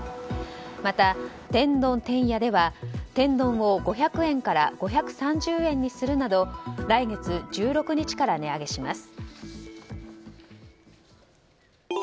また、天丼てんやでは天丼を５００円から５３０円にするなど来月１６日から値上げします。